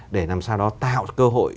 để làm sao đó tạo cơ hội